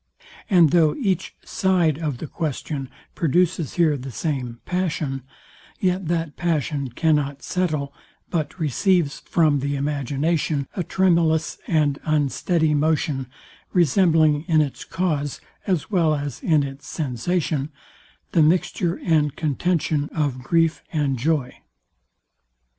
And though each side of the question produces here the same passion, yet that passion cannot settle, but receives from the imagination a tremulous and unsteady motion, resembling in its cause, as well as in its sensation, the mixture and contention of grief and joy.